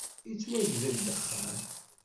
Yettwagdel ddexxan!